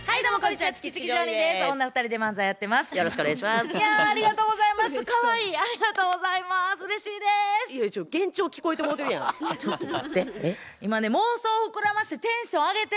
ちょっと待って。